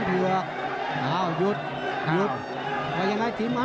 แม่ก็ดีกว่าแม่ก็ดีกว่า